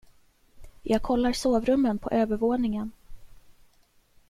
Jag kollar sovrummen på övervåningen.